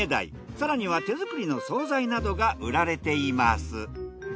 更には手作りの総菜などが売られています。